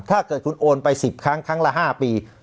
ถ้าเกิดคุณโอนไป๑๐ครั้งครั้งละ๕ปี